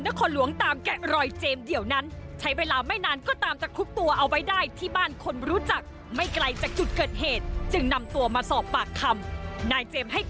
นครหลวงตามแกะรอยเจมส์เดียวนั้นใช้เวลาไม่นานก็ตามจะคุบตัวเอาไว้ได้ที่บ้านคนรู้จักไม่ไกลจากจุดเกิดเหตุจึงนำตัวมาสอบปากคำนายเจมส์ให้